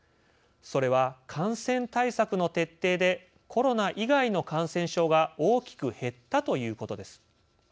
それは、感染対策の徹底でコロナ以外の感染症が大きく減ったということです。